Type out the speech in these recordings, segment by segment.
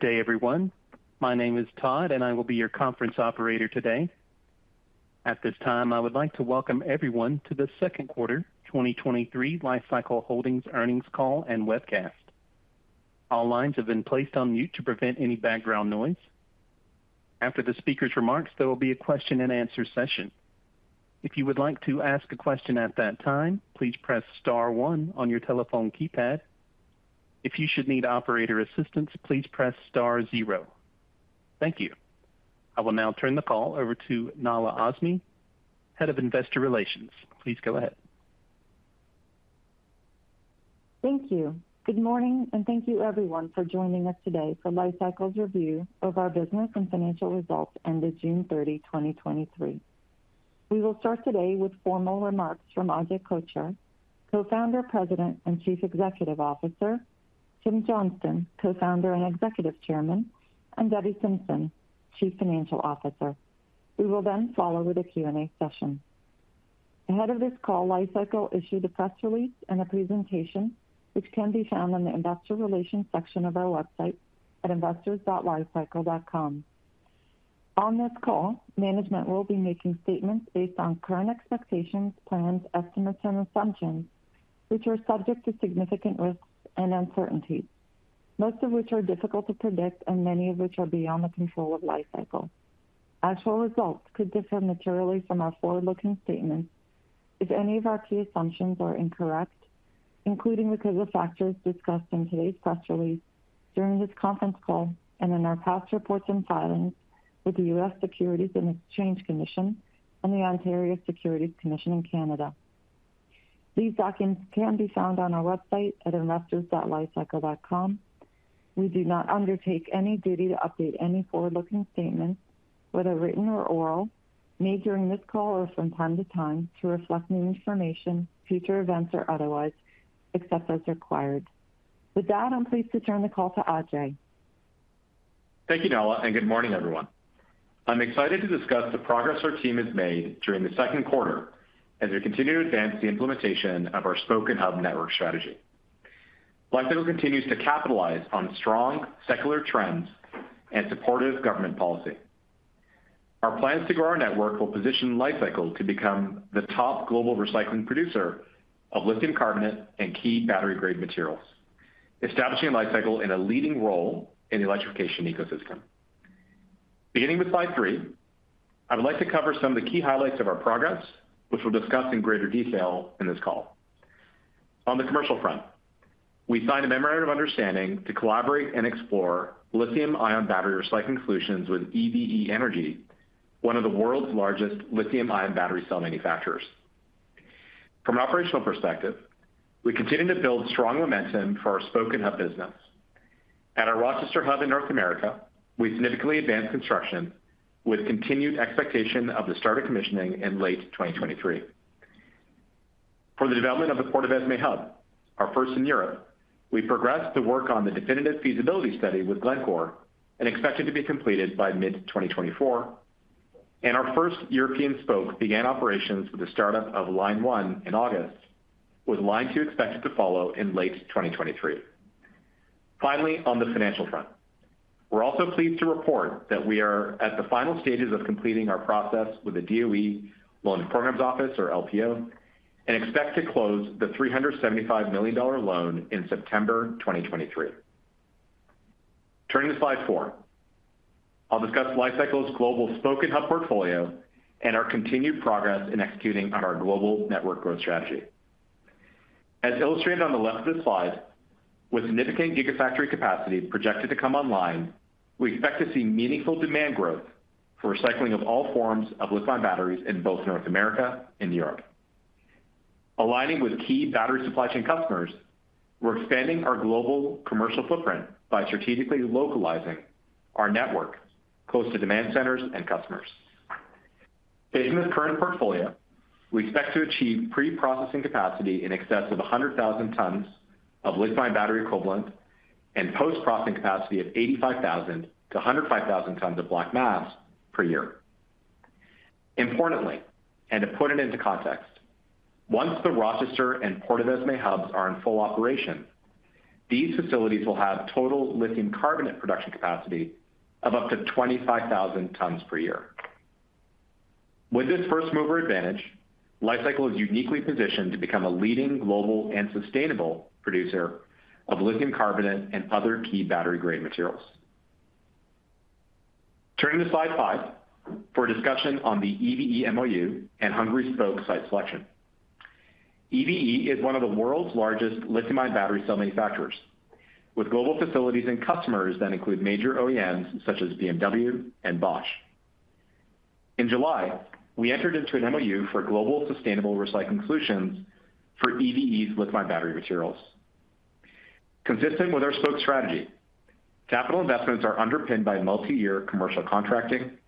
Good day, everyone. My name is Todd, and I will be your conference operator today. At this time, I would like to welcome everyone to the second quarter, 2023 Li-Cycle Holdings earnings call and webcast. All lines have been placed on mute to prevent any background noise. After the speaker's remarks, there will be a Q&A session. If you would like to ask a question at that time, please press star one on your telephone keypad. If you should need operator assistance, please press star zero. Thank you. I will now turn the call over to Nahla Azmy, Head of Investor Relations. Please go ahead. Thank you. Good morning, and thank you everyone for joining us today for Li-Cycle's review of our business and financial results ended June 30, 2023. We will start today with formal remarks from Ajay Kochhar, Co-Founder, President, and Chief Executive Officer, Tim Johnston, Co-Founder and Executive Chairman, and Debbie Simpson, Chief Financial Officer. We will then follow with a Q&A session. Ahead of this call, Li-Cycle issued a press release and a presentation, which can be found on the investor relations section of our website at investors.Li-Cycle.com. On this call, management will be making statements based on current expectations, plans, estimates, and assumptions, which are subject to significant risks and uncertainties, most of which are difficult to predict and many of which are beyond the control of Li-Cycle. Actual results could differ materially from our forward-looking statements if any of our key assumptions are incorrect, including because of factors discussed in today's press release, during this conference call, and in our past reports and filings with the U.S. Securities and Exchange Commission and the Ontario Securities Commission in Canada. These documents can be found on our website at investors.li-cycle.com. We do not undertake any duty to update any forward-looking statements, whether written or oral, made during this call or from time to time, to reflect new information, future events, or otherwise, except as required. With that, I'm pleased to turn the call to Ajay. Thank you, Nahla, and good morning, everyone. I'm excited to discuss the progress our team has made during the second quarter as we continue to advance the implementation of our Spoke & Hub network strategy. Li-Cycle continues to capitalize on strong secular trends and supportive government policy. Our plans to grow our network will position Li-Cycle to become the top global recycling producer of lithium carbonate and key battery-grade materials, establishing Li-Cycle in a leading role in the electrification ecosystem. Beginning with slide three, I would like to cover some of the key highlights of our progress, which we'll discuss in greater detail in this call. On the commercial front, we signed a memorandum of understanding to collaborate and explore lithium-ion battery recycling solutions with EVE Energy, one of the world's largest lithium-ion battery cell manufacturers. From an operational perspective, we continue to build strong momentum for our Spoke & Hub business. At our Rochester Hub in North America, we significantly advanced construction with continued expectation of the start of commissioning in late 2023. For the development of the Portovesme Hub, our first in Europe, we progressed to work on the definitive feasibility study with Glencore and expected to be completed by mid-2024, and our first European spoke began operations with the startup of line one in August, with line two expected to follow in late 2023. Finally, on the financial front, we're also pleased to report that we are at the final stages of completing our process with the DOE Loan Programs Office, or LPO, and expect to close the $375 million loan in September 2023. Turning to slide four, I'll discuss Li-Cycle's global Spoke & Hub portfolio and our continued progress in executing on our global network growth strategy. As illustrated on the left of this slide, with significant gigafactory capacity projected to come online, we expect to see meaningful demand growth for recycling of all forms of lithium-ion batteries in both North America and Europe. Aligning with key battery supply chain customers, we're expanding our global commercial footprint by strategically localizing our network close to demand centers and customers. Based on this current portfolio, we expect to achieve pre-processing capacity in excess of 100,000 tons of lithium-ion battery equivalent and post-processing capacity of 85,000-105,000 tons of black mass per year. Importantly, and to put it into context, once the Rochester and Portovesme hubs are in full operation, these facilities will have total lithium carbonate production capacity of up to 25,000 tons per year. With this first-mover advantage, Li-Cycle is uniquely positioned to become a leading global and sustainable producer of lithium carbonate and other key battery-grade materials. Turning to slide five for a discussion on the EVE MOU and Hungary Spoke site selection. EVE is one of the world's largest lithium-ion battery cell manufacturers, with global facilities and customers that include major OEMs such as BMW and Bosch. In July, we entered into an MOU for global sustainable recycling solutions for EVE's lithium-ion battery materials. Consistent with our Spoke strategy, capital investments are underpinned by multiyear commercial contracting,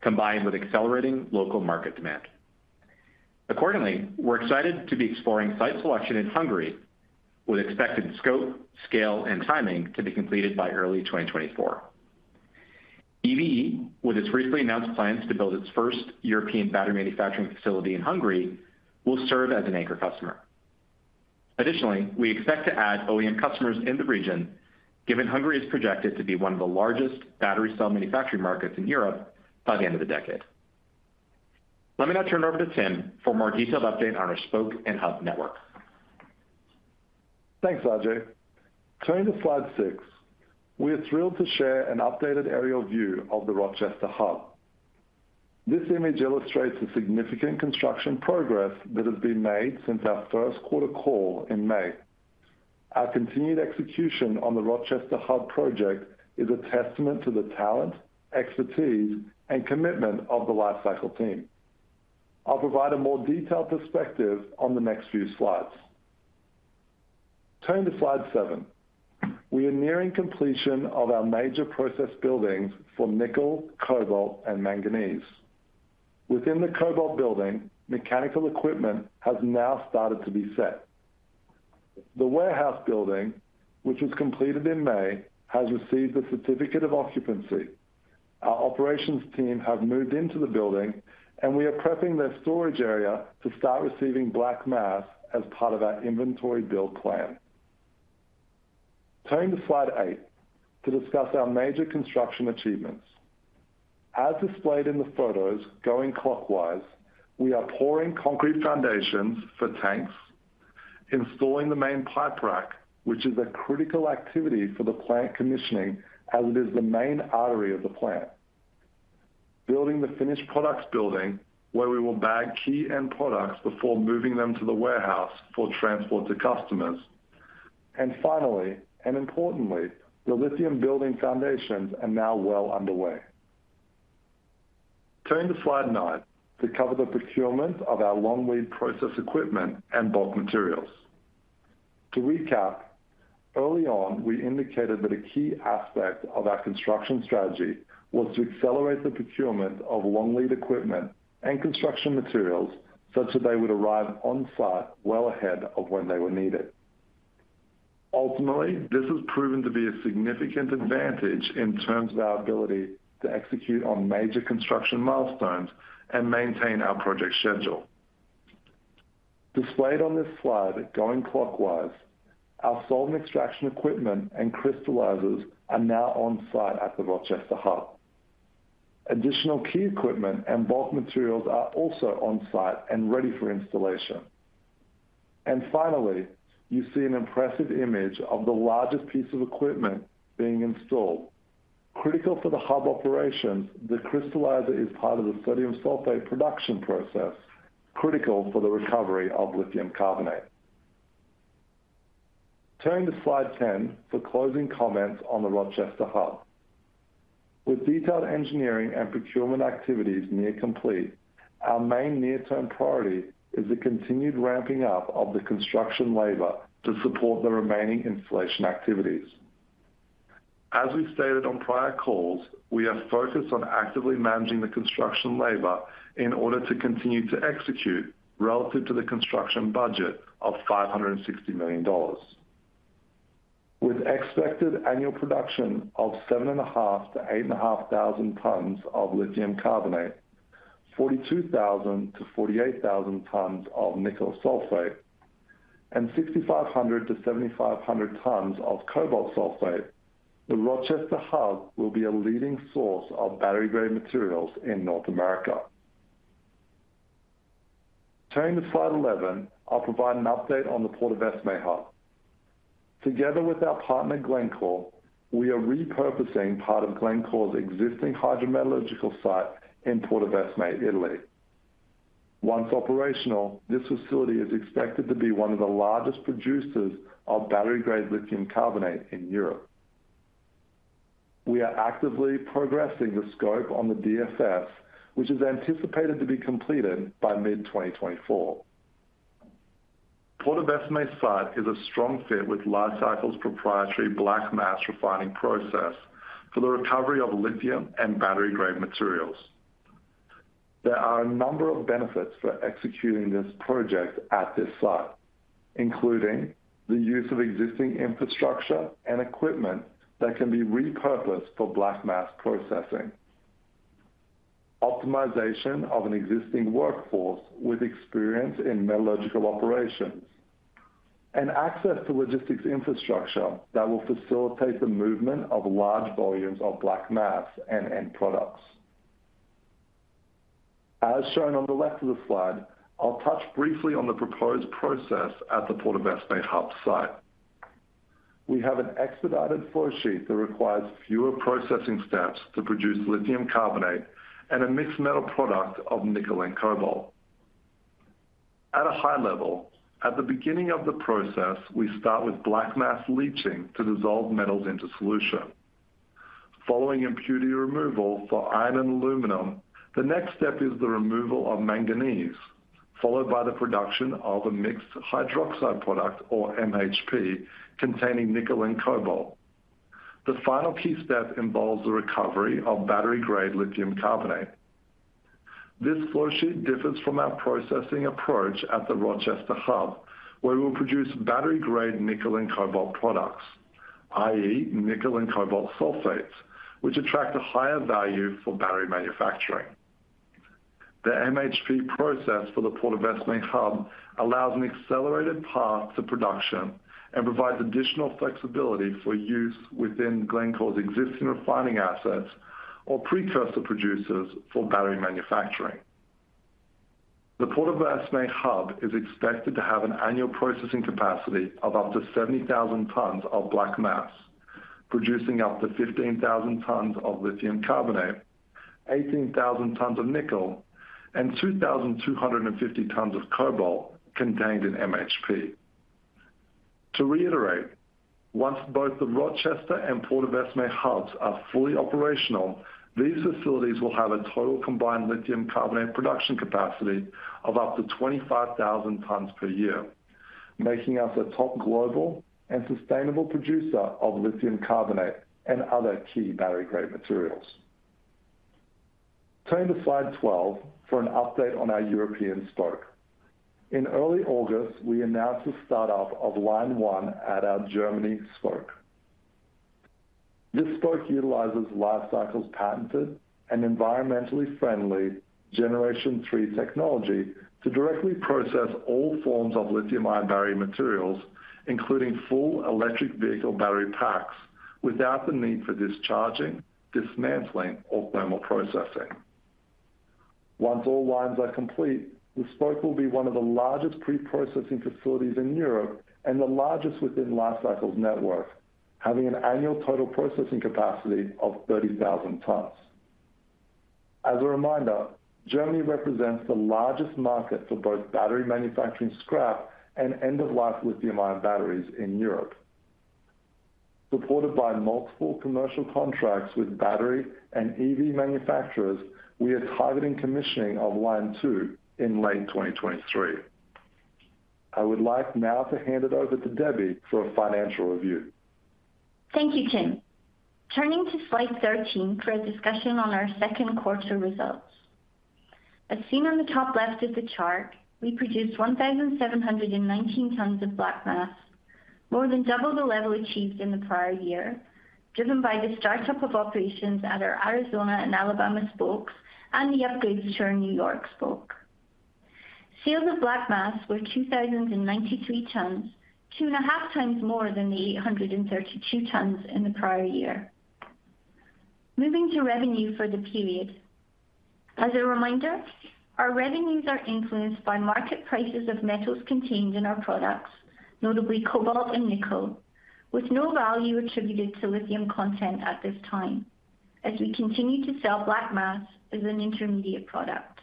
combined with accelerating local market demand. Accordingly, we're excited to be exploring site selection in Hungary with expected scope, scale, and timing to be completed by early 2024. EVE, with its recently announced plans to build its first European battery manufacturing facility in Hungary, will serve as an anchor customer. Additionally, we expect to add OEM customers in the region, given Hungary is projected to be one of the largest battery cell manufacturing markets in Europe by the end of the decade. Let me now turn it over to Tim for a more detailed update on our Spoke & Hub network. Thanks, Ajay. Turning to slide six, we are thrilled to share an updated aerial view of the Rochester Hub. This image illustrates the significant construction progress that has been made since our 1st quarter call in May. Our continued execution on the Rochester Hub project is a testament to the talent, expertise, and commitment of the Li-Cycle team. I'll provide a more detailed perspective on the next few slides. Turning to slide seven. We are nearing completion of our major process buildings for nickel, cobalt, and manganese. Within the cobalt building, mechanical equipment has now started to be set. The warehouse building, which was completed in May, has received a certificate of occupancy. Our operations team have moved into the building, and we are prepping their storage area to start receiving black mass as part of our inventory build plan. Turning to slide eight, to discuss our major construction achievements. As displayed in the photos, going clockwise, we are pouring concrete foundations for tanks, installing the main pipe rack, which is a critical activity for the plant commissioning, as it is the main artery of the plant. Building the finished products building, where we will bag key end products before moving them to the warehouse for transport to customers. Finally, and importantly, the lithium building foundations are now well underway. Turning to slide nine, to cover the procurement of our long lead process equipment and bulk materials. To recap, early on, we indicated that a key aspect of our construction strategy was to accelerate the procurement of long lead equipment and construction materials, such that they would arrive on site well ahead of when they were needed. Ultimately, this has proven to be a significant advantage in terms of our ability to execute on major construction milestones and maintain our project schedule. Displayed on this slide, going clockwise, our solvent extraction equipment and crystallizers are now on site at the Rochester Hub. Additional key equipment and bulk materials are also on site and ready for installation. Finally, you see an impressive image of the largest piece of equipment being installed. Critical for the hub operations, the crystallizer is part of the sodium sulfate production process, critical for the recovery of lithium carbonate. Turning to slide 10 for closing comments on the Rochester Hub. With detailed engineering and procurement activities near complete, our main near-term priority is the continued ramping up of the construction labor to support the remaining installation activities. As we've stated on prior calls, we are focused on actively managing the construction labor in order to continue to execute relative to the construction budget of $560 million. With expected annual production of 7,500-8,500 tons of lithium carbonate, 42,000-48,000 tons of nickel sulfate, and 6,500-7,500 tons of cobalt sulfate, the Rochester Hub will be a leading source of battery-grade materials in North America. Turning to slide 11, I'll provide an update on the Portovesme Hub. Together with our partner, Glencore, we are repurposing part of Glencore's existing hydrometallurgical site in Portovesme, Italy. Once operational, this facility is expected to be one of the largest producers of battery-grade lithium carbonate in Europe. We are actively progressing the scope on the DFS, which is anticipated to be completed by mid-2024. Portovesme site is a strong fit with Li-Cycle's proprietary black mass refining process for the recovery of lithium and battery-grade materials. There are a number of benefits for executing this project at this site, including the use of existing infrastructure and equipment that can be repurposed for black mass processing, optimization of an existing workforce with experience in metallurgical operations, and access to logistics infrastructure that will facilitate the movement of large volumes of black mass and end products. As shown on the left of the slide, I'll touch briefly on the proposed process at the Portovesme Hub site. We have an expedited flow sheet that requires fewer processing steps to produce lithium carbonate and a mixed metal product of nickel and cobalt. At a high level, at the beginning of the process, we start with black mass leaching to dissolve metals into solution. Following impurity removal for iron and aluminum, the next step is the removal of manganese, followed by the production of a mixed hydroxide product or MHP, containing nickel and cobalt. The final key step involves the recovery of battery-grade lithium carbonate.... This flow sheet differs from our processing approach at the Rochester Hub, where we'll produce battery-grade nickel and cobalt products, i.e., nickel and cobalt sulfates, which attract a higher value for battery manufacturing. The MHP process for the Portovesme Hub allows an accelerated path to production and provides additional flexibility for use within Glencore's existing refining assets or precursor producers for battery manufacturing. The Portovesme Hub is expected to have an annual processing capacity of up to 70,000 tons of black mass, producing up to 15,000 tons of lithium carbonate, 18,000 tons of nickel, and 2,250 tons of cobalt contained in MHP. To reiterate, once both the Rochester and Portovesme Hubs are fully operational, these facilities will have a total combined lithium carbonate production capacity of up to 25,000 tons per year, making us a top global and sustainable producer of lithium carbonate and other key battery-grade materials. Turning to slide 12 for an update on our European spoke. In early August, we announced the start up of line one at our Germany spoke. This spoke utilizes Li-Cycle's patented and environmentally friendly Generation 3 technology to directly process all forms of lithium-ion battery materials, including full electric vehicle battery packs, without the need for discharging, dismantling or thermal processing. Once all lines are complete, the spoke will be one of the largest pre-processing facilities in Europe and the largest within Li-Cycle's network, having an annual total processing capacity of 30,000 tons. As a reminder, Germany represents the largest market for both battery manufacturing scrap and end-of-life lithium-ion batteries in Europe. Supported by multiple commercial contracts with battery and EV manufacturers, we are targeting commissioning of line two in late 2023. I would like now to hand it over to Debbie for a financial review. Thank you, Tim. Turning to slide 13 for a discussion on our second quarter results. As seen on the top left of the chart, we produced 1,719 tons of black mass, more than double the level achieved in the prior year, driven by the startup of operations at our Arizona and Alabama spokes and the upgrades to our New York spoke. Sales of black mass were 2,093 tons, 2.5 times more than the 832 tons in the prior year. Moving to revenue for the period. As a reminder, our revenues are influenced by market prices of metals contained in our products, notably cobalt and nickel, with no value attributed to lithium content at this time, as we continue to sell black mass as an intermediate product.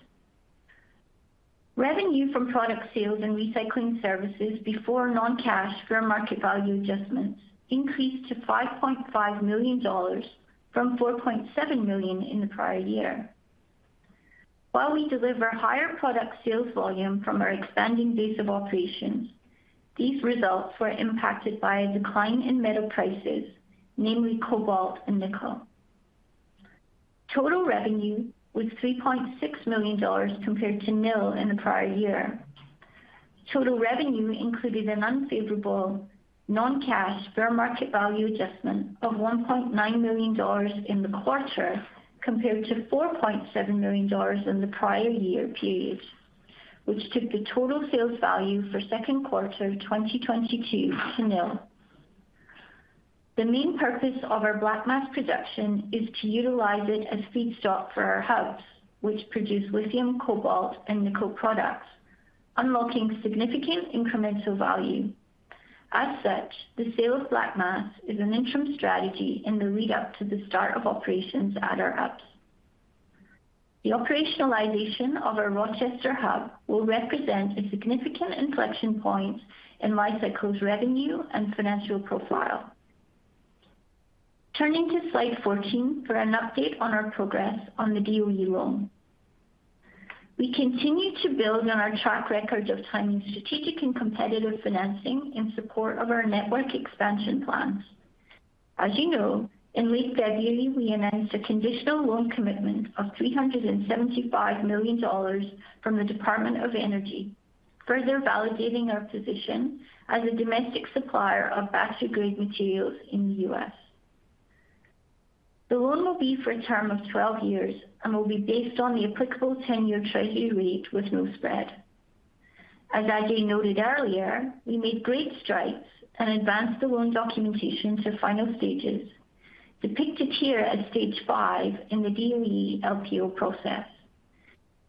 Revenue from product sales and recycling services before non-cash fair market value adjustments increased to $5.5 million from $4.7 million in the prior year. While we deliver higher product sales volume from our expanding base of operations, these results were impacted by a decline in metal prices, namely cobalt and nickel. Total revenue was $3.6 million compared to nil in the prior year. Total revenue included an unfavorable non-cash fair market value adjustment of $1.9 million in the quarter, compared to $4.7 million in the prior year period, which took the total sales value for second quarter 2022 to nil. The main purpose of our Black mass production is to utilize it as feedstock for our hubs, which produce lithium, cobalt, and nickel products, unlocking significant incremental value. The sale of Black mass is an interim strategy in the lead up to the start of operations at our hubs. The operationalization of our Rochester Hub will represent a significant inflection point in Li-Cycle's revenue and financial profile. Turning to slide 14 for an update on our progress on the DOE loan. We continue to build on our track record of timing, strategic and competitive financing in support of our network expansion plans. In late February, we announced a conditional loan commitment of $375 million from the Department of Energy, further validating our position as a domestic supplier of battery-grade materials in the U.S. The loan will be for a term of 12 years and will be based on the applicable 10-year Treasury rate with no spread. As AJ noted earlier, we made great strides and advanced the loan documentation to final stages, depicted here at stage 5 in the DOE LPO process.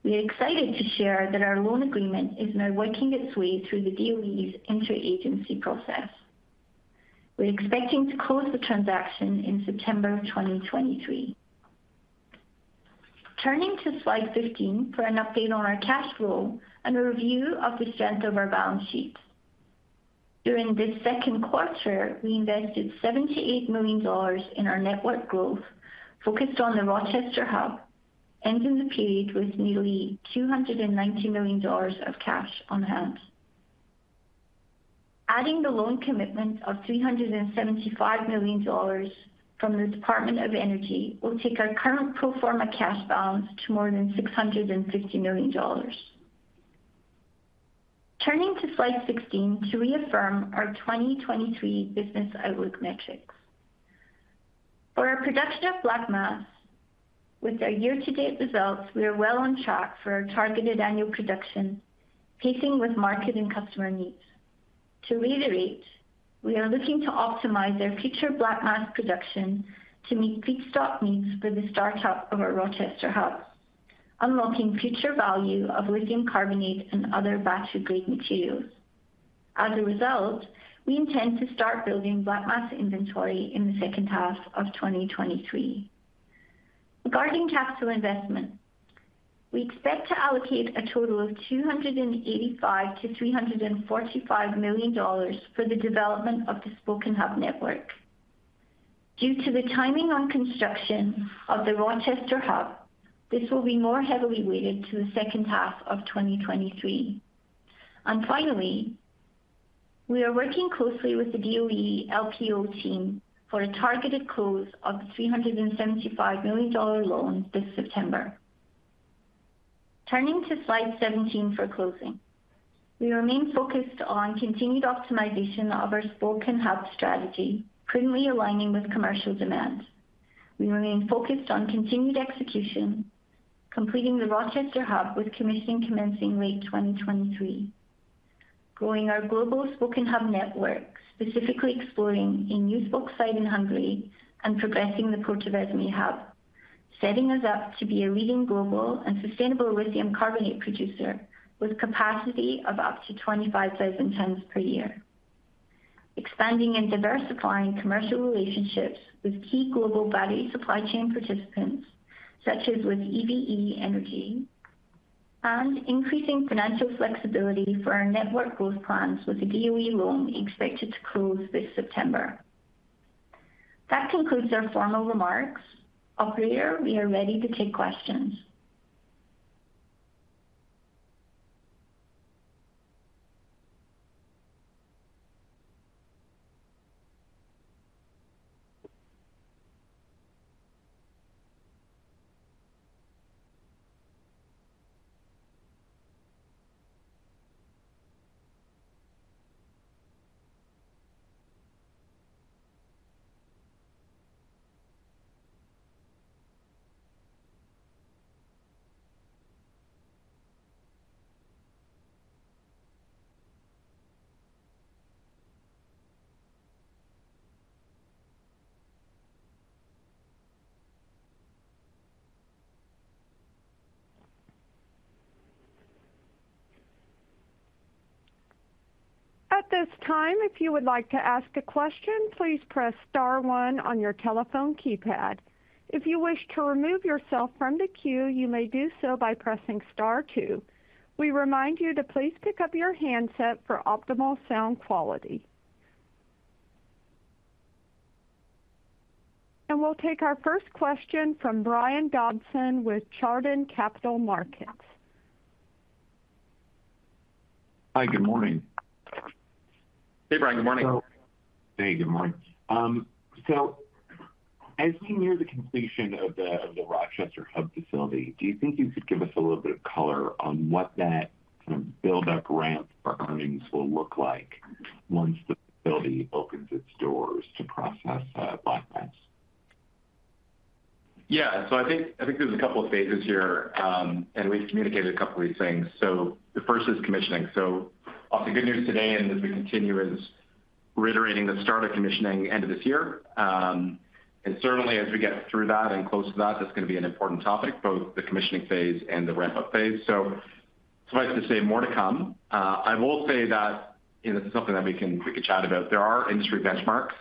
We are excited to share that our loan agreement is now working its way through the DOE's interagency process. We're expecting to close the transaction in September 2023. Turning to slide 15 for an update on our cash flow and a review of the strength of our balance sheet. During this second quarter, we invested $78 million in our network growth, focused on the Rochester Hub, ending the period with nearly $290 million of cash on hand. Adding the loan commitment of $375 million from the Department of Energy will take our current pro forma cash balance to more than $650 million. Turning to slide 16 to reaffirm our 2023 business outlook metrics. For our production of black mass, with our year-to-date results, we are well on track for our targeted annual production, pacing with market and customer needs. To reiterate, we are looking to optimize our future black mass production to meet feedstock needs for the startup of our Rochester Hub, unlocking future value of lithium carbonate and other battery-grade materials. As a result, we intend to start building black mass inventory in the second half of 2023. Regarding capital investment, we expect to allocate a total of $285 million-$345 million for the development of the Spoke & Hub network. Due to the timing on construction of the Rochester Hub, this will be more heavily weighted to the second half of 2023. Finally, we are working closely with the DOE LPO team for a targeted close of the $375 million loan this September. Turning to slide 17 for closing. We remain focused on continued optimization of our Spoke & Hub strategy, currently aligning with commercial demands. We remain focused on continued execution, completing the Rochester Hub, with commissioning commencing late 2023. Growing our global Spoke & Hub network, specifically exploring a new Spoke site in Hungary and progressing the Portovesme Hub, setting us up to be a leading global and sustainable lithium carbonate producer with capacity of up to 25,000 tons per year. Expanding and diversifying commercial relationships with key global battery supply chain participants, such as with EVE Energy, and increasing financial flexibility for our network growth plans, with the DOE loan expected to close this September. That concludes our formal remarks. Operator, we are ready to take questions. At this time, if you would like to ask a question, please press star one on your telephone keypad. If you wish to remove yourself from the queue, you may do so by pressing star two. We remind you to please pick up your handset for optimal sound quality. We'll take our first question from Brian Dobson with Chardan Capital Markets. Hi, good morning. Hey, Brian, good morning. Hey, good morning. As we near the completion of the, of the Rochester Hub facility, do you think you could give us a little bit of color on what that kind of build-up ramp for earnings will look like once the facility opens its doors to process black mass? Yeah. I think, I think there's a couple of phases here. We've communicated a couple of these things. The first is commissioning. Of the good news today, as we continue, is reiterating the start of commissioning end of this year. Certainly as we get through that and close to that, that's going to be an important topic, both the commissioning phase and the ramp-up phase. Suffice to say, more to come. I will say that, you know, this is something that we can, we can chat about. There are industry benchmarks,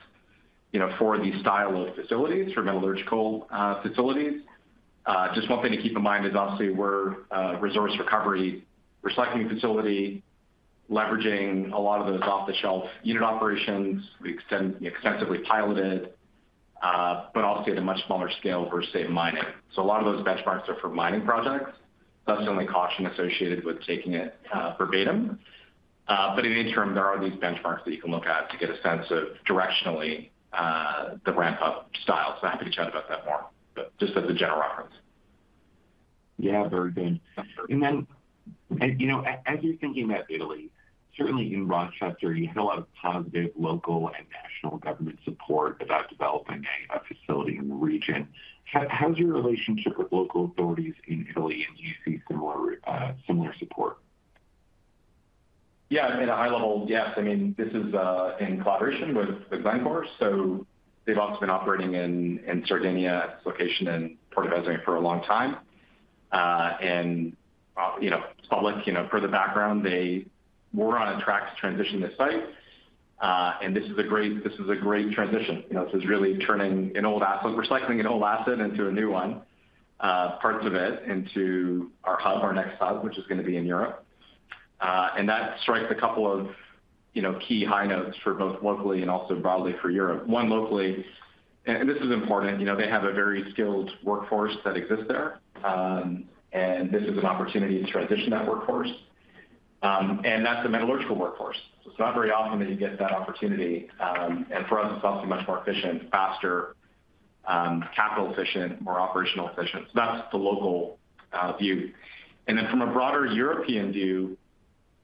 you know, for these style of facilities, for metallurgical facilities. Just one thing to keep in mind is obviously we're a resource recovery recycling facility, leveraging a lot of those off-the-shelf unit operations. We extensively piloted, but obviously at a much smaller scale for, say, mining. A lot of those benchmarks are for mining projects. Thus, only caution associated with taking it, verbatim. In the interim, there are these benchmarks that you can look at to get a sense of directionally, the ramp-up style. Happy to chat about that more, but just as a general reference. Yeah, very good. Sure. You know, as you're thinking about Italy, certainly in Rochester, you had a lot of positive local and national government support about developing a, a facility in the region. How, how is your relationship with local authorities in Italy, and do you see similar, similar support? Yeah, at a high level, yes. I mean, this is, in collaboration with, with Glencore, so they've obviously been operating in, in Sardinia, at this location in Portovesme for a long time. And, you know public, you know, for the background, they were on a track to transition this site. And this is a great, this is a great transition. You know, this is really turning an old asset-- recycling an old asset into a new one, parts of it into our hub, our next hub, which is going to be in Europe. And that strikes a couple of, you know, key high notes for both locally and also broadly for Europe. One, locally-... And this is important, you know, they have a very skilled workforce that exists there, and this is an opportunity to transition that workforce. That's a metallurgical workforce. It's not very often that you get that opportunity, and for us, it's also much more efficient, faster, capital efficient, more operational efficient. That's the local view. Then from a broader European view,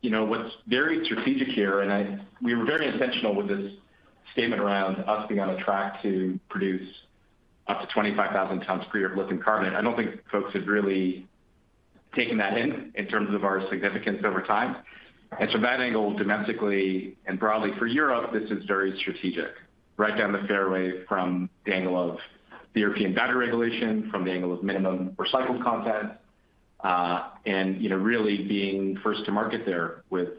you know, what's very strategic here, and I-- we were very intentional with this statement around us being on a track to produce up to 25,000 tons per year of lithium carbonate. I don't think folks have really taken that in, in terms of our significance over time. From that angle, domestically and broadly for Europe, this is very strategic, right down the fairway from the angle of the European Battery Regulation, from the angle of minimum recycled content, and, you know, really being first to market there with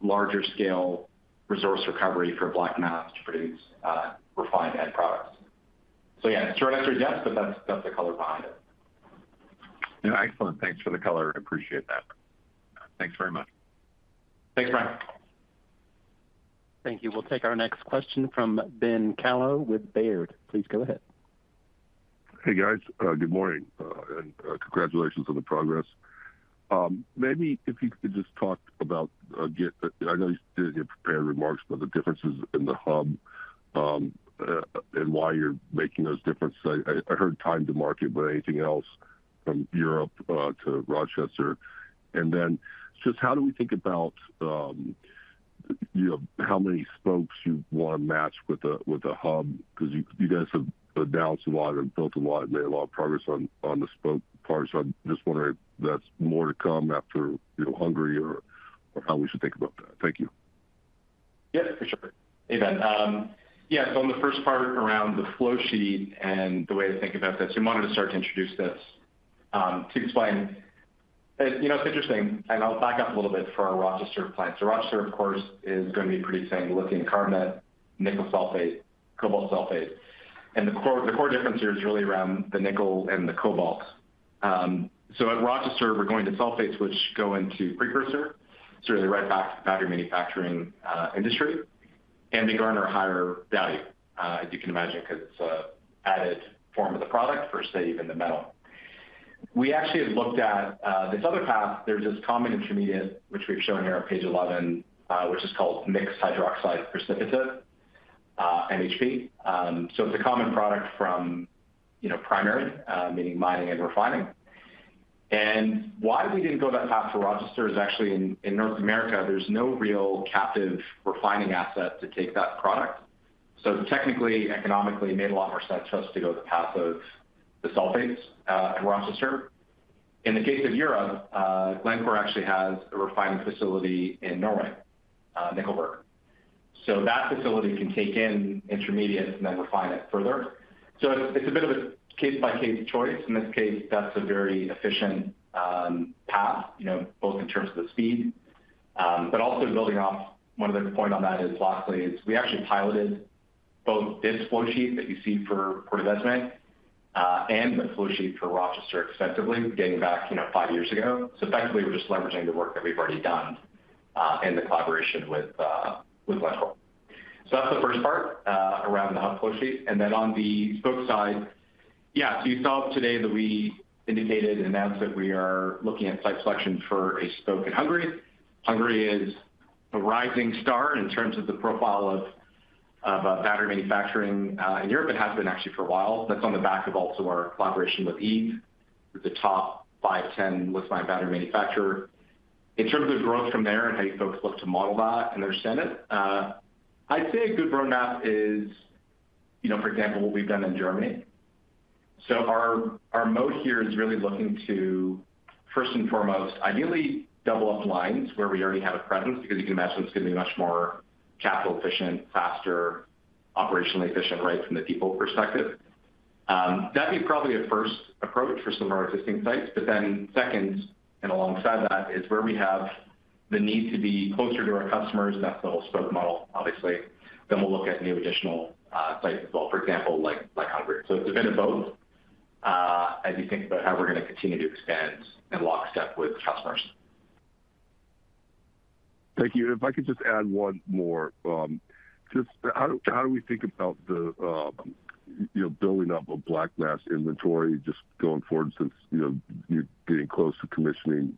larger scale resource recovery for black mass to produce refined end products. yeah, the short answer is yes, but that's, that's the color behind it. Excellent. Thanks for the color. I appreciate that. Thanks very much. Thanks, Brian. Thank you. We'll take our next question from Ben Kallo with Baird. Please go ahead. Hey, guys. Good morning, and congratulations on the progress. Maybe if you could just talk about I know you did your prepared remarks about the differences in the hub, and why you're making those differences. I, I heard time to market, but anything else from Europe, to Rochester? Then just how do we think about, you know, how many spokes you want to match with a, with a hub? Because you, you guys have announced a lot and built a lot and made a lot of progress on, on the spoke part. So I'm just wondering if that's more to come after, you know, Hungary or, or how we should think about that. Thank you. Yeah, for sure. Hey, Ben. Yeah, so on the first part around the flow sheet and the way to think about this, you wanted to start to introduce this to explain... You know, it's interesting, and I'll back up a little bit for our Rochester plant. Rochester, of course, is going to be producing lithium carbonate, nickel sulfate, cobalt sulfate. The core, the core difference here is really around the nickel and the cobalt. At Rochester, we're going to sulfates, which go into precursor, so really right back to the battery manufacturing industry, and they garner a higher value, as you can imagine, because it's an added form of the product versus even the metal. We actually have looked at this other path. There's this common intermediate, which we've shown here on page 11, which is called Mixed Hydroxide Precipitate, MHP. It's a common product from, you know, primary, meaning mining and refining. Why we didn't go that path for Rochester is actually in North America, there's no real captive refining asset to take that product. Technically, economically, it made a lot more sense for us to go the path of the sulfates in Rochester. In the case of Europe, Glencore actually has a refining facility in Norway, Nikkelverk. That facility can take in intermediates and then refine it further. It's a bit of a case-by-case choice. In this case, that's a very efficient path, you know, both in terms of the speed, but also building off one other point on that is, lastly, is we actually piloted both this flow sheet that you see for Portovesme, and the flow sheet for Rochester extensively, dating back, you know, five years ago. Effectively, we're just leveraging the work that we've already done, and the collaboration with Glencore. That's the first part around the hub flow sheet. Then on the spoke side, yeah, so you saw today that we indicated and announced that we are looking at site selection for a spoke in Hungary. Hungary is a rising star in terms of the profile of battery manufacturing in Europe. It has been actually for a while. That's on the back of also our collaboration with EVE, the top five, 10 lithium-ion battery manufacturer. In terms of the growth from there and how you folks look to model that and understand it, I'd say a good roadmap is, you know, for example, what we've done in Germany. Our, our mode here is really looking to, first and foremost, ideally double up lines where we already have a presence, because you can imagine it's going to be much more capital efficient, faster, operationally efficient, right from the people perspective. That'd be probably a first approach for some of our existing sites, but then second and alongside that, is where we have the need to be closer to our customers. That's the whole spoke model, obviously. We'll look at new additional sites as well, for example, like, like Hungary. It's a bit of both, as you think about how we're going to continue to expand in lockstep with customers. Thank you. If I could just add one more. Just how do, how do we think about the, you know, building up a black mass inventory just going forward since, you know, you're getting close to commissioning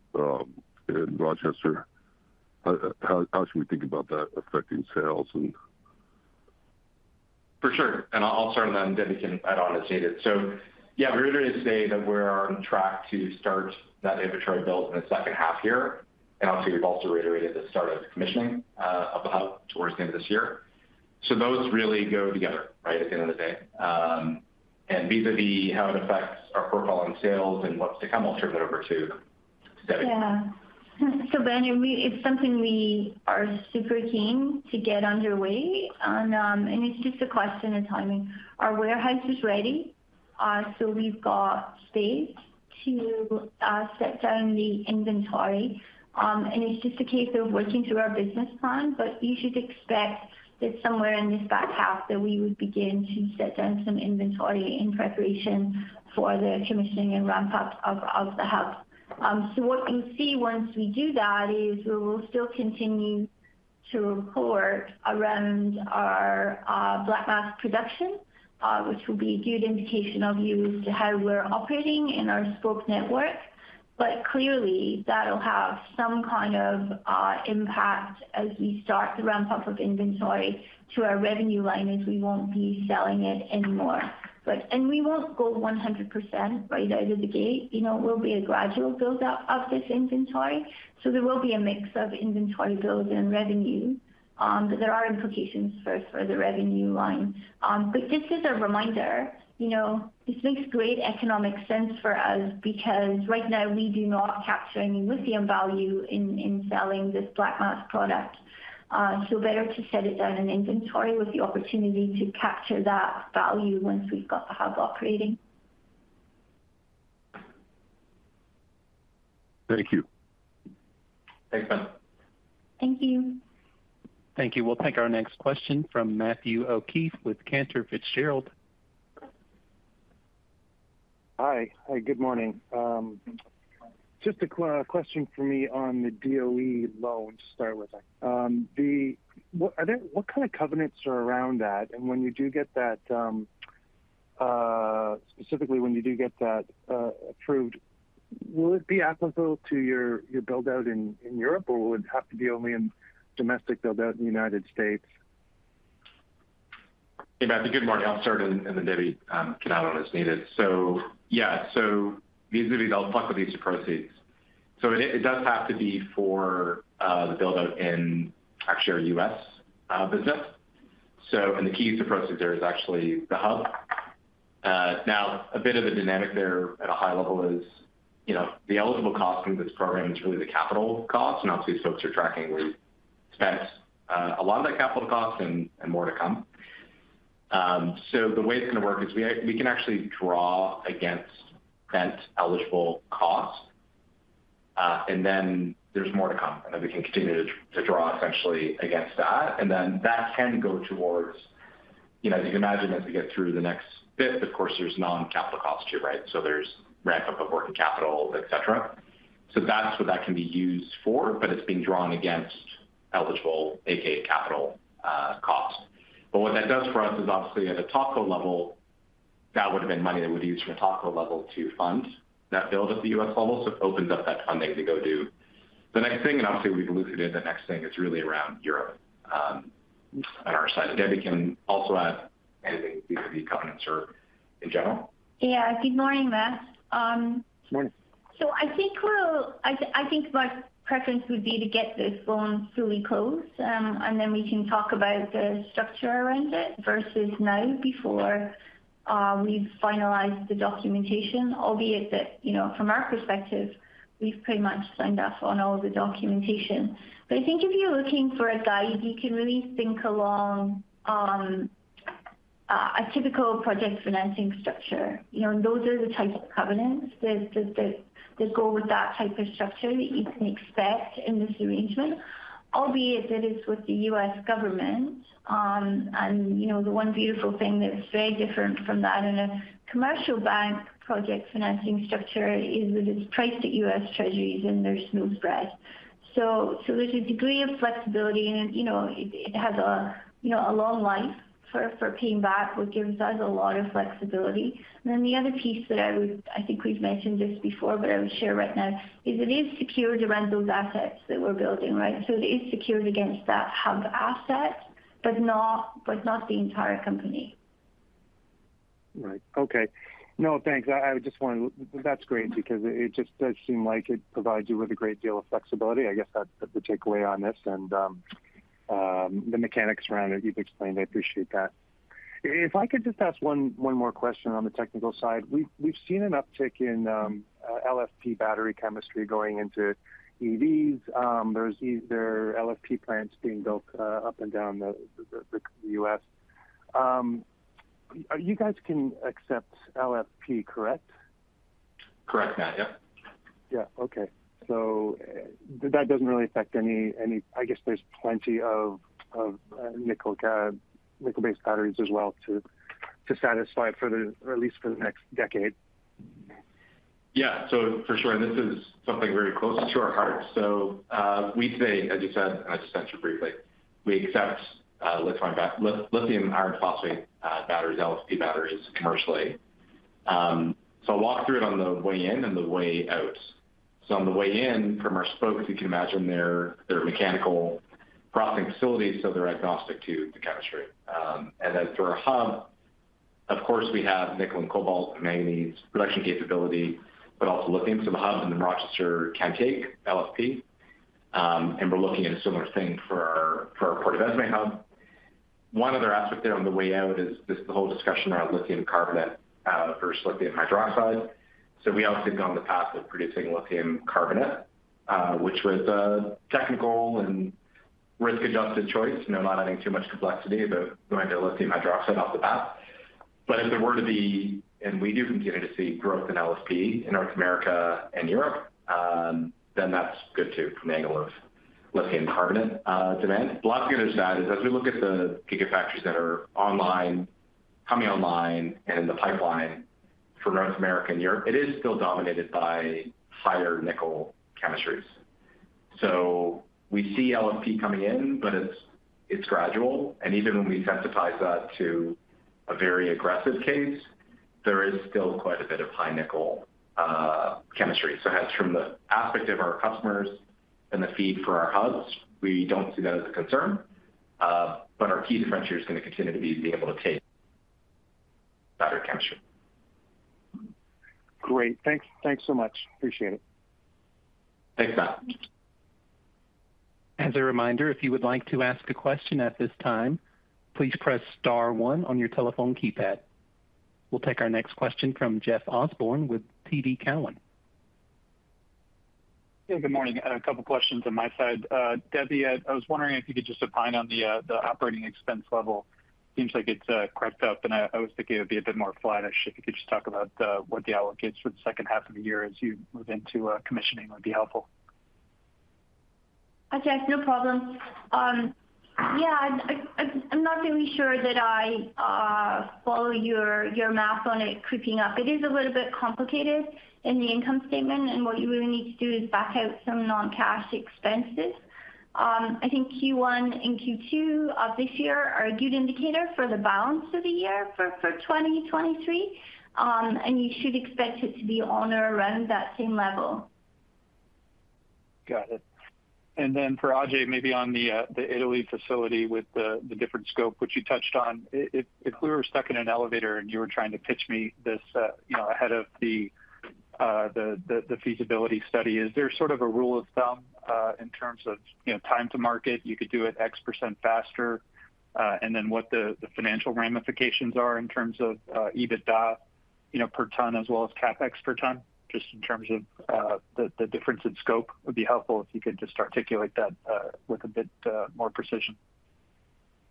in Rochester? How, how should we think about that affecting sales and- For sure, I'll start on that, and Debbie can add on as needed. Yeah, we reiterated today that we're on track to start that inventory build in the second half here. Obviously, we've also reiterated the start of commissioning of the hub towards the end of this year. Those really go together right at the end of the day. Vis-a-vis how it affects our profile on sales and what's to come, I'll turn it over to Debbie. Yeah. Ben, it's something we are super keen to get underway on, and it's just a question of timing. Our warehouse is ready, so we've got space to set down the inventory. It's just a case of working through our business plan, but you should expect that somewhere in this back half that we would begin to set down some inventory in preparation for the commissioning and ramp up of the Hub. What we see once we do that is we will still continue to report around our black mass production, which will be a good indication of use to how we're operating in our Spoke network. Clearly, that'll have some kind of impact as we start the ramp-up of inventory to our revenue line, as we won't be selling it anymore. We won't go 100% right out of the gate. You know, it will be a gradual build-up of this inventory, so there will be a mix of inventory build and revenue. There are implications for, for the revenue line. This is a reminder, you know, this makes great economic sense for us because right now we do not capture any lithium value in, in selling this Black mass product. Better to set it down in inventory with the opportunity to capture that value once we've got the Hub operating. Thank you. Thanks, Ben. Thank you. Thank you. We'll take our next question from Matthew O'Keefe with Cantor Fitzgerald. Hi. Hi, good morning. Just a question for me on the DOE loan to start with. What are the, what kind of covenants are around that? When you do get that, specifically when you do get that approved, will it be applicable to your, your build-out in, in Europe, or would it have to be only in domestic build-out in the United States? Hey, Matthew, good morning. I'll start, and then Debbie can add on as needed. Yeah, so these are all stuck with these proceeds. It, it does have to be for the build-out in actually our U.S. business. The key to proceeds there is actually the hub. Now, a bit of a dynamic there at a high level is, you know, the eligible cost from this program is really the capital cost. Obviously, folks are tracking, we've spent a lot of that capital cost and, and more to come. The way it's going to work is we, we can actually draw against that eligible cost, and then there's more to come, and then we can continue to, to draw essentially against that, and then that can go towards... You know, as you can imagine, as we get through the next bit, of course, there's non-capital costs too, right? There's ramp-up of working capital, et cetera. That's what that can be used for, but it's being drawn against eligible, a.k.a. capital cost. What that does for us is obviously at a Spoke level, that would have been money that we'd use from a Spoke level to fund that build at the U.S. level, so it opens up that funding to go do the next thing, and obviously, we've alluded, the next thing is really around Europe, on our side. Debbie can also add anything, either the covenants or in general. Yeah. Good morning, Matt. Morning. I think my preference would be to get this loan fully closed, and then we can talk about the structure around it versus now before we've finalized the documentation, albeit that, you know, from our perspective, we've pretty much signed off on all the documentation. I think if you're looking for a guide, you can really think along a typical project financing structure. You know, those are the types of covenants that go with that type of structure that you can expect in this arrangement, albeit that it's with the U.S. government. You know, the one beautiful thing that is very different from that in a commercial bank project financing structure is that it's priced at U.S. Treasuries, and they're smooth spread. There's a degree of flexibility, and, you know, it, it has a, you know, a long life for, for paying back, which gives us a lot of flexibility. Then the other piece that I would, I think we've mentioned this before, but I would share right now, is it is secured around those assets that we're building, right? It is secured against that hub asset, but not, but not the entire company. Right. Okay. No, thanks. I, I just wanted That's great because it just does seem like it provides you with a great deal of flexibility. I guess that's the takeaway on this and the mechanics around it, you've explained. I appreciate that. If I could just ask one, one more question on the technical side. We've, we've seen an uptick in LFP battery chemistry going into EVs. there's these, there are LFP plants being built up and down the, the, the U.S. you guys can accept LFP, correct? Correct, Matt. Yep. Yeah. Okay. That doesn't really affect any, any-- I guess there's plenty of, of, nickel, nickel-based batteries as well to, to satisfy for the, at least for the next decade. Yeah. For sure, and this is something very close to our heart. We today, as you said, and I just mentioned briefly, we accept electronic Lithium Iron Phosphate batteries, LFP batteries, commercially. I'll walk through it on the way in and the way out. On the way in, from our spokes, you can imagine their, their mechanical processing facilities, so they're agnostic to the chemistry. Then for our hub, of course, we have nickel and cobalt, manganese production capability, but also looking to the hub in the Rochester can take LFP, and we're looking at a similar thing for our, for our Portovesme hub. One other aspect there on the way out is this, the whole discussion around lithium carbonate, versus lithium hydroxide. We obviously have gone the path of producing lithium carbonate, which was a technical and risk-adjusted choice, you know, not adding too much complexity, but going to lithium hydroxide off the bat. If there were to be, and we do continue to see growth in LFP in North America and Europe, then that's good, too, from the angle of lithium carbonate demand. Lots to get into that is, as we look at the gigafactories that are online, coming online and in the pipeline for North America and Europe, it is still dominated by higher nickel chemistries. We see LFP coming in, but it's, it's gradual and even when we sensitize that to a very aggressive case, there is still quite a bit of high nickel chemistry. As from the aspect of our customers and the feed for our hubs, we don't see that as a concern, but our key differentiator is going to continue to be being able to take battery chemistry. Great. Thanks, thanks so much. Appreciate it. Thanks, Matt. As a reminder, if you would like to ask a question at this time, please press star one on your telephone keypad. We'll take our next question from Jeff Osborne with TD Cowen. Yeah, good morning. A couple questions on my side. Debbie, I, I was wondering if you could just opine on the, the operating expense level. Seems like it's, crept up, and I, I was thinking it would be a bit more flat. I was sure if you could just talk about what the allocates for the second half of the year as you move into a commissioning would be helpful. Hi, Jeff, no problem. Yeah, I, I, I'm not really sure that I follow your, your math on it creeping up. It is a little bit complicated in the income statement, and what you really need to do is back out some non-cash expenses. I think Q1 and Q2 of this year are a good indicator for the balance of the year for, for 2023. You should expect it to be on or around that same level. Got it. Then for Ajay, maybe on the Italy facility with the different scope, which you touched on, if, if we were stuck in an elevator and you were trying to pitch me this, you know, ahead of the feasibility study is there sort of a rule of thumb, in terms of, you know, time to market? You could do it X% faster, and then what the financial ramifications are in terms of EBITDA, you know, per ton as well as CapEx per ton, just in terms of the difference in scope, would be helpful if you could just articulate that with a bit more precision.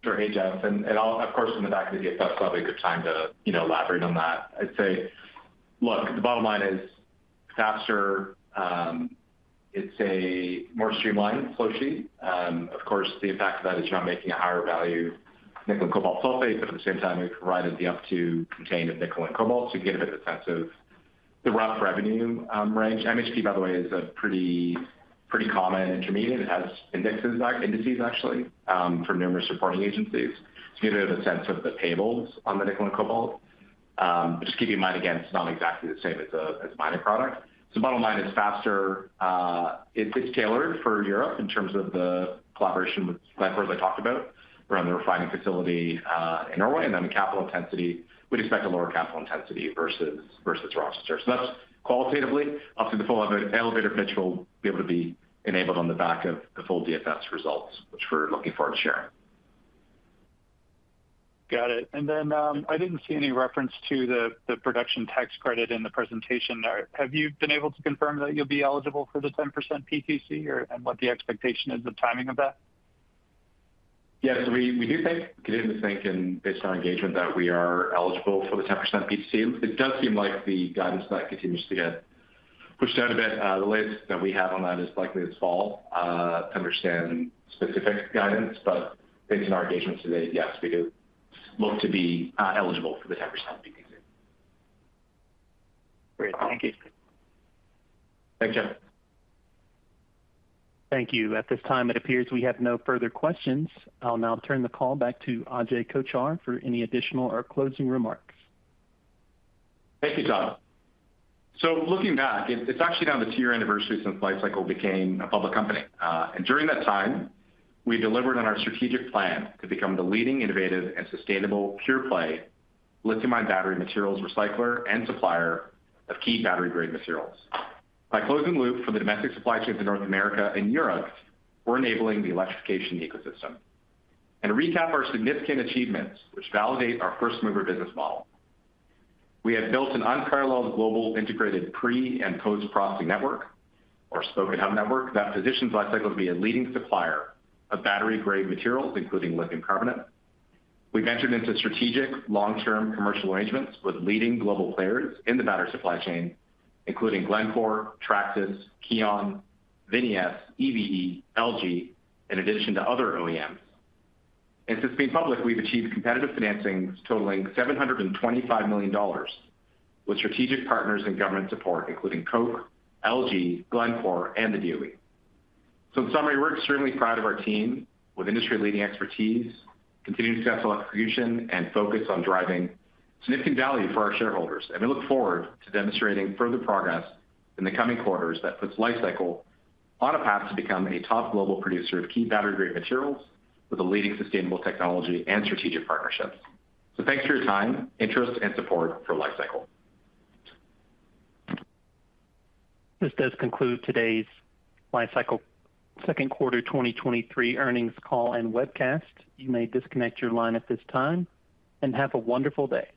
Sure. Hey, Jeff, I'll of course, from the back of the DFS, probably a good time to, you know, elaborate on that. I'd say, look, the bottom line is faster, it's a more streamlined flow sheet. Of course, the impact of that is you're not making a higher value nickel cobalt sulfate, but at the same time, you're providing the up to contain the nickel and cobalt to get a bit of a sense of the rough revenue range. MHP, by the way, is a pretty, pretty common intermediate. It has indexes, indices, actually, from numerous reporting agencies to give you the sense of the tables on the nickel and cobalt. Just keep in mind, again, it's not exactly the same as a, as a minor product. Bottom line, it's faster. It's, it's tailored for Europe in terms of the collaboration with Glencore, as I talked about, around the refining facility in Norway. The capital intensity. We'd expect a lower capital intensity versus, versus Rochester. That's qualitatively, up to the full elevator pitch will be able to be enabled on the back of the full DFS results, which we're looking forward to sharing. Got it. Then, I didn't see any reference to the, the production tax credit in the presentation. Have you been able to confirm that you'll be eligible for the 10% PTC or, and what the expectation is, the timing of that? Yes, we, we do think, continue to think and based on engagement, that we are eligible for the 10% PTC. It does seem like the guidance on that continues to get pushed out a bit. The latest that we have on that is likely this fall to understand specific guidance, but based on our engagement today, yes, we do look to be, eligible for the 10% PTC. Great. Thank you. Thanks, Jeff. Thank you. At this time, it appears we have no further questions. I'll now turn the call back to Ajay Kochhar for any additional or closing remarks. Thank you, John. Looking back, it's, it's actually now the two-year anniversary since Li-Cycle became a public company. During that time, we delivered on our strategic plan to become the leading innovative and sustainable pure-play lithium-ion battery materials recycler and supplier of key battery-grade materials. By closing loop for the domestic supply chains in North America and Europe, we're enabling the electrification ecosystem. To recap our significant achievements, which validate our first-mover business model, we have built an unparalleled global integrated pre- and post-processing network, or Spoke & Hub network, that positions Li-Cycle to be a leading supplier of battery-grade materials, including lithium carbonate. We've entered into strategic long-term commercial arrangements with leading global players in the battery supply chain, including Glencore, Traxys, KION, VinES, EVE, LG, in addition to other OEMs. Since being public, we've achieved competitive financings totaling $725 million, with strategic partners and government support, including Koch, LG, Glencore, and the DOE. In summary, we're extremely proud of our team with industry-leading expertise, continued successful execution, and focus on driving significant value for our shareholders. We look forward to demonstrating further progress in the coming quarters that puts Li-Cycle on a path to become a top global producer of key battery-grade materials with a leading sustainable technology and strategic partnerships. Thanks for your time, interest, and support for Li-Cycle. This does conclude today's Li-Cycle second quarter 2023 earnings call and webcast. You may disconnect your line at this time. Have a wonderful day.